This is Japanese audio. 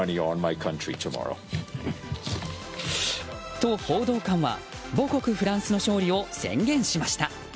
と、報道官は母国フランスの勝利を宣言しました。